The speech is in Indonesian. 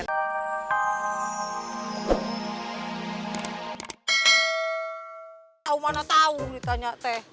tau mana tau ditanya teh